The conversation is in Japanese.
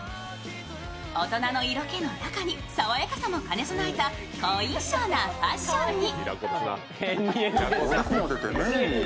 大人の色気の中に爽やかさも兼ね備えた好印象なファッションに。